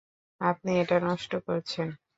আপনি এটা নষ্ট করছেন!